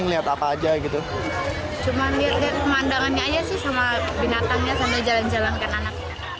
cuman lihat lihat pemandangannya aja sih sama binatangnya sambil jalan jalan ke anak